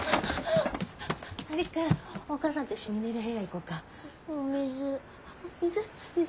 璃久お母さんと一緒に寝る部屋行こうか。お水。